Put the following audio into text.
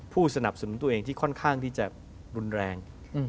ผู้สนับสนุนตัวเองที่ค่อนข้างที่จะรุนแรง